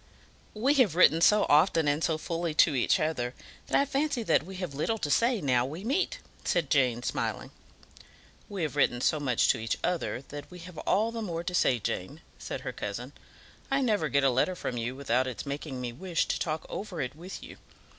"We have written so often and so fully to each other that I fancy that we have little to say now we meet," said Jane, smiling. "We have written so much to each other that we have all the more to say, Jane," said her cousin. "I never get a letter from you without its making me wish to talk over it with you.